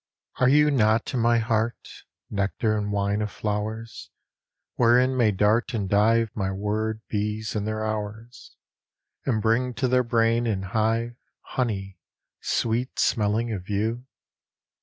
Are you not in my heart, Nectar and wine of flowers, Wherein may dart and dive My word bees in their hours, And bring to their brain and hive Honey, sweet smelling of you ?